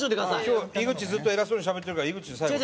今日井口ずっと偉そうにしゃべってるから井口最後だよ。